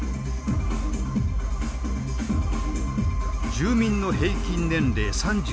住民の平均年齢３３歳。